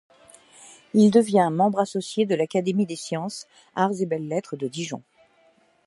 Il devient membre associé de l'Académie des sciences, arts et belles-lettres de Dijon.